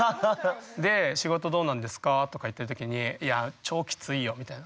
「仕事どうなんですか？」とか言ってる時に「いや超きついよ」みたいな。